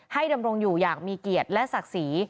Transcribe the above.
ดำรงอยู่อย่างมีเกียรติและศักดิ์ศรี